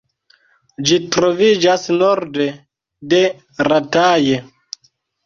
Ĝi troviĝas norde de Rataje.